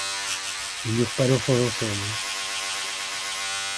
Ils n'eurent pas d'enfants ensemble.